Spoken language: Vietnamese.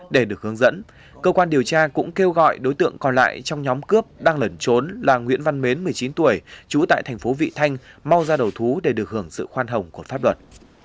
để được hướng dẫn cơ quan điều tra cũng kêu gọi đối tượng còn lại trong nhóm cướp đang lẩn trốn là nguyễn văn mến một mươi chín tuổi trú tại thành phố vị thanh mau ra đầu thú để được hưởng sự khoan hồng của pháp luật